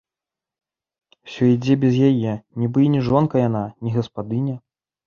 Усё ідзе без яе, нібы і не жонка яна, не гаспадыня!